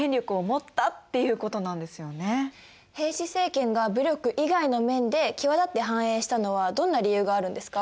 平氏政権が武力以外の面で際立って繁栄したのはどんな理由があるんですか？